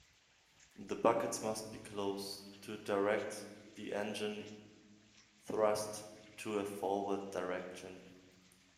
The buckets must be closed, to direct the engine thrust to a forward direction.